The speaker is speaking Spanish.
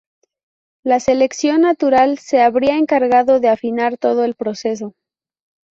La selección natural se habría encargado de afinar todo el proceso.